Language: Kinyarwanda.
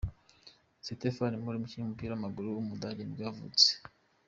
Stefan Müller, umukinnyi w’umupira w’amaguru w’umudage nibwo yavutse.